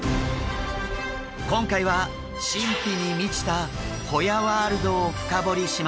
今回は神秘に満ちたホヤワールドを深掘りします。